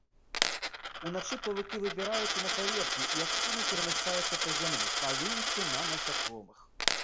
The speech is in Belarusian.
Уначы павукі выбіраюцца на паверхню і актыўна перамяшчаюцца па зямлі, палюючы на насякомых.